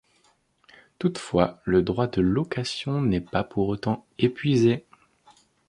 Toutefois, le droit de location n’est pas pour autant épuisé.